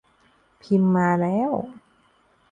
พิมพ์มาแล้ว